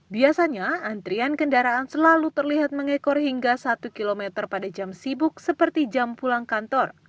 biasanya antrian kendaraan selalu terlihat mengekor hingga satu km pada jam sibuk seperti jam pulang kantor